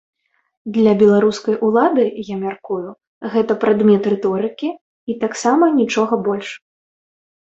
Для беларускай улады, я мяркую, гэта прадмет рыторыкі і таксама нічога больш.